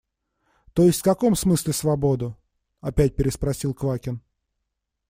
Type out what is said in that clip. – То есть в каком смысле свободу? – опять переспросил Квакин.